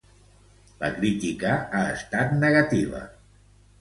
La crítica ha estat negativa.